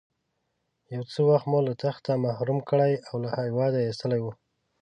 یو څه وخت مو له تخته محروم کړی او له هېواده ایستلی وو.